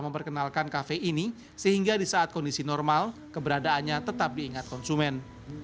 memperkenalkan cafe ini sehingga disaat kondisi normal keberadaannya tetap diingat konsumen